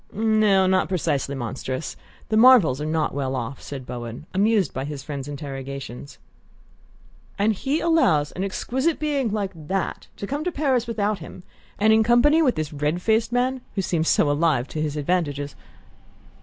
"No; not precisely monstrous. The Marvells are not well off," said Bowen, amused by his friend's interrogations. "And he allows an exquisite being like that to come to Paris without him and in company with the red faced gentleman who seems so alive to his advantages?"